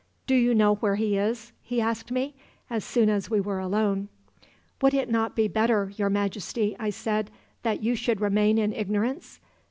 "'Do you know where he is?' he asked me, as soon as we were alone. "'Would it not be better, your Majesty,' I said, 'that you should remain in ignorance?